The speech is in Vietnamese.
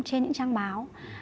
trên những trang báo